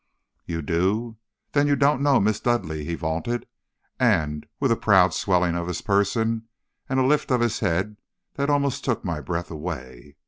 "'You do! Then you don't know Miss Dudleigh,' he vaunted, with a proud swelling of his person, and a lift of his head that almost took my breath away.